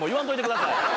嗅いでください